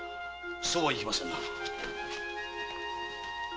そうはいきません。